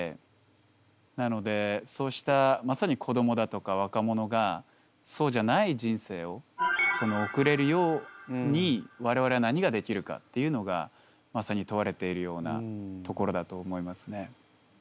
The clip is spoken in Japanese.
なのでそうしたまさに子どもだとか若者がそうじゃない人生を送れるように我々は何ができるかっていうのがまさに問われているようなところだと思いますね。